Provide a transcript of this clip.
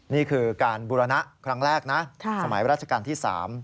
นี่คือการบูรณะครั้งแรกที่๓